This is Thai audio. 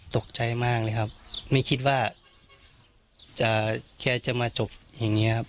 ตกใจมากเลยครับไม่คิดว่าจะแค่จะมาจบอย่างนี้ครับ